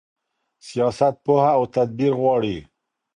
سياست پوهه او تدبير غواړي.